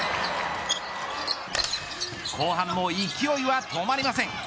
後半も、勢いは止まりません。